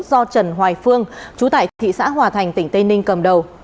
do trần hoài phương chú tại thị xã hòa thành tỉnh tây ninh cầm đầu